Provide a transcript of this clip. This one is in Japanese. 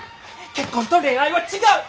結婚と恋愛は違う！